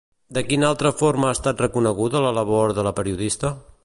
De quina altra forma ha estat reconeguda la labor de la periodista?